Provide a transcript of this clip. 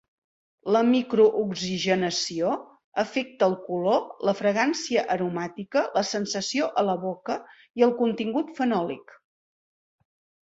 La microoxigenació afecta el color, la fragància aromàtica, la sensació a la boca i el contingut fenòlic.